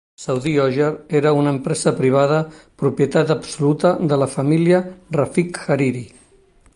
Saudi Oger era una empresa privada, propietat absoluta de la família Rafik Hariri.